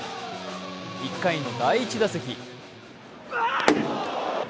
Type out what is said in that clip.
１回の第１打席。